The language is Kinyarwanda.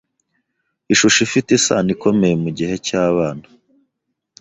Ishusho ifite isano ikomeye mugihe cyabana